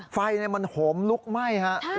ไฟมันโหมลุกไหม้ครับ